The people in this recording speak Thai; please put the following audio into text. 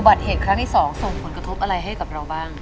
เหตุครั้งที่๒ส่งผลกระทบอะไรให้กับเราบ้าง